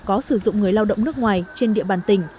có sử dụng người lao động nước ngoài trên địa bàn tỉnh